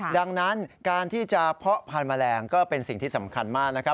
ดังนั้นการที่จะเพาะพันธุ์แมลงก็เป็นสิ่งที่สำคัญมากนะครับ